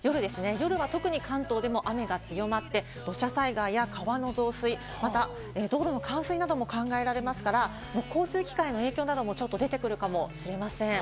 夜は特に関東でも雨が強まって土砂災害や川の増水、また道路の冠水なども考えられますから交通機関への影響なども、ちょっと出てくるかもしれません。